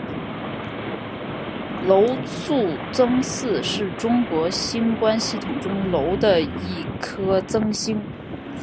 娄宿增四是中国星官系统中娄的一颗增星。